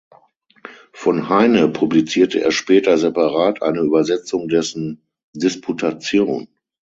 Von Heine publizierte er später separat eine Übersetzung dessen „Disputation“.